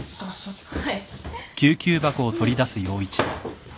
はい。